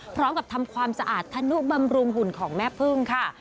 พร้อมกับทำความสะอาดธนุบำรุงหุ่นของแม่พึ่งค่ะ